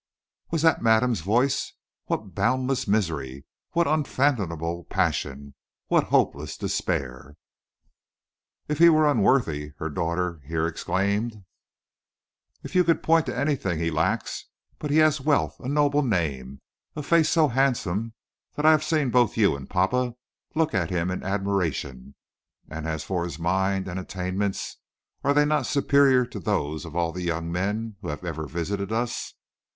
Was that madame's voice? What boundless misery! what unfathomable passion! what hopeless despair! "If he were unworthy!" her daughter here exclaimed. "It you could point to anything he lacks. But he has wealth, a noble name, a face so handsome that I have seen both you and papa look at him in admiration; and as for his mind and attainments, are they not superior to those of all the young men who have ever visited us?